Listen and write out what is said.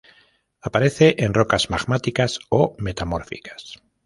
Aparece en rocas magmáticas o metamórficas.